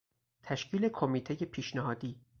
تشکیل کمیتهی پیشنهادی